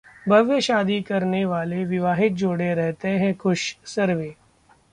भव्य शादी करने वाले विवाहित जोड़े रहते हैं खुश: सर्वे